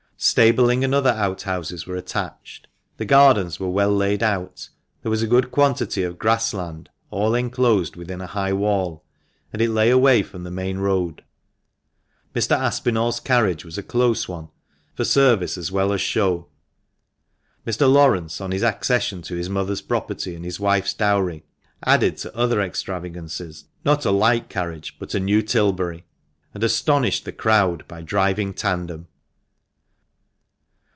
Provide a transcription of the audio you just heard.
Stabling and other outhouses were attached, the gardens were well laid out, there was a good quantity of grass land, all enclosed within a high wall, and it lay away from the main road. Mr. Aspinall's carriage was a close one, for service as well as show. Mr. Laurence, on his accession to his mother's property and his wife's dowry, added to other extravagances not a like carriage, but a new Tilbury, and astonished the crowd by driving tandem.